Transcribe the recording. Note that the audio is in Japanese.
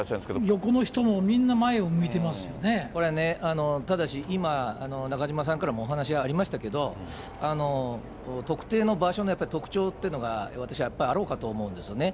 横の人も、みんな前を向いてこれね、ただし、今、中島さんからもお話ありましたけど、特定の場所の特徴というのが、私やっぱりあろうかと思うんですよね。